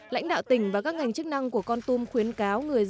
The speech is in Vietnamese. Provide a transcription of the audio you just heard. lãnh đạo tỉnh và các ngành chức năng của con tum khuyến cáo người dân